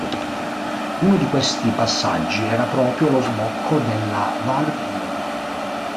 Uno di questi passaggi era proprio lo sbocco della Val Bona.